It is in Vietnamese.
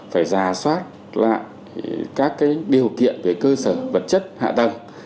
phải ra soát các cái điều kiện về cơ sở vật chất hạ tầng